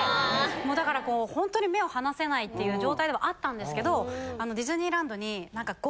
だからこうほんとに目を離せないっていう状態ではあったんですけど。